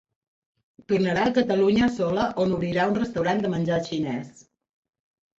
Tornarà a Catalunya sola on obrirà un restaurant de menjar xinès.